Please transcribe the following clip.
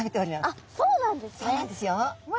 あっそうなんですね。